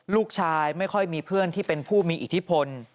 ลูกชายไม่ค่อยมีเพื่อนที่เป็นผู้มีอิทธิพล